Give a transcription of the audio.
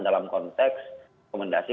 dalam konteks rekomendasi